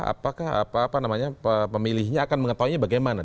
apakah pemilihnya akan mengetahuinya bagaimana